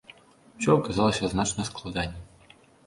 Усё аказалася значна складаней.